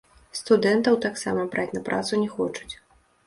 Студэнтаў таксама браць на працу не хочуць.